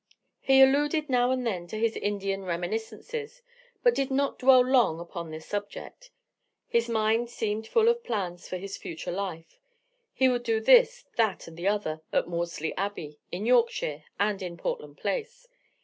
He alluded now and then to his Indian reminiscences, but did not dwell long upon this subject. His mind seemed full of plans for his future life. He would do this, that, and the other, at Maudesley Abbey, in Yorkshire, and in Portland Place.